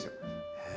へえ。